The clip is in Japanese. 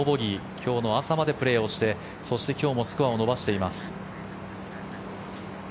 今日の朝までプレーをしてそして今日もスコアを伸ばしています。